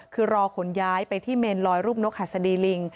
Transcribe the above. คือรอขนย้ายไปที่เมนลอยรูปนกหัสดีลิง